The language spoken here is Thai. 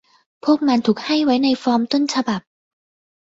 พวกมันถูกให้ไว้ในฟอร์มต้นฉบับ